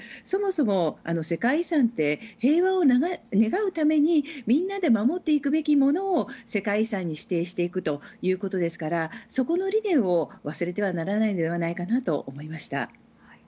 そもそも、世界遺産って平和を願うためにみんなで守っていくべきものを世界遺産に指定していくということですからそこの理念を忘れてはならないのではないかと思いました。